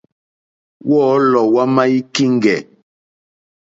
Wɔ́ɔ̌lɔ̀ wá má í kíŋɡɛ̀.